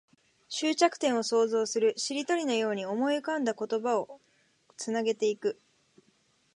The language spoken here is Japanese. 終着点を想像する。しりとりのように思い浮かんだ言葉をつなげていく。